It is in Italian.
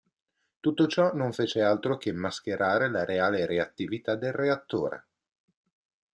Tutto ciò non fece altro che mascherare la reale reattività del reattore.